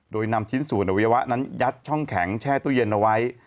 โดยนำชิ้นส่วนอวัยวะนั้นยัดช่องแข็งแช่ตู้เย็นเอาไว้